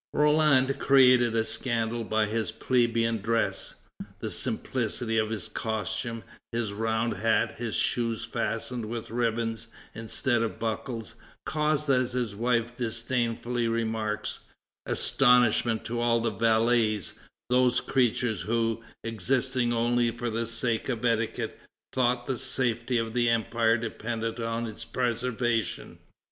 Roland created a scandal by his plebeian dress. The simplicity of his costume, his round hat, his shoes fastened with ribbons instead of buckles, caused, as his wife disdainfully remarks, "astonishment to all the valets, those creatures who, existing only for the sake of etiquette, thought the safety of the empire depended on its preservation."